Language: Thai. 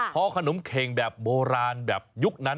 พอขนมเข่งแบบโบราณแบบยุคนั้น